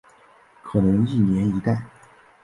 可能一年一代。